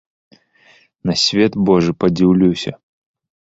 На свет божы падзіўлюся.